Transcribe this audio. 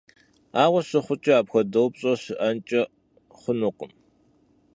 Aue şıxhuç'e, apxuede vupş'e şı'enç'e xhunukhım.